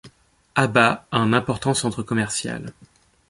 Aba a un important centre commercial.